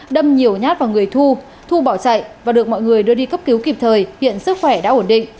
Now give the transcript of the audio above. đâm nhiều nhát vào người thu thu bỏ chạy và được mọi người đưa đi cấp cứu kịp thời hiện sức khỏe đã ổn định